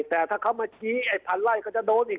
แต่ถ้าเขามาชี้ไอ้พันไล่ก็จะโดนอีก